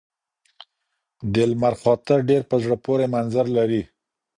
د لمر خاته ډېر په زړه پورې منظر لري.